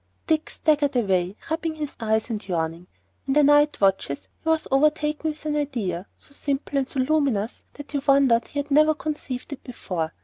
Dick staggered away rubbing his eyes and yawning. In the night watches he was overtaken with an idea, so simple and so luminous that he wondered he had never conceived it before.